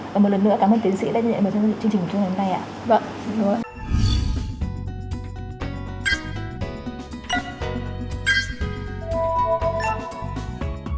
và một lần nữa cảm ơn tiến sĩ đã nhận được chương trình của chúng tôi hôm nay ạ